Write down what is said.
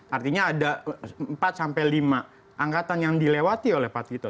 artinya ada empat sampai lima angkatan yang dilewati oleh pak tito